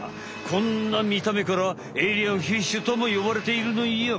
こんなみためからエイリアンフィッシュともよばれているのよ。